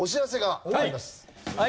はい。